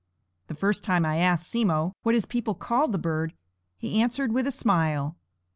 The first time I asked Simmo what his people called the bird, he answered with a smile.